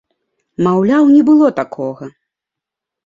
Маўляў, не было такога!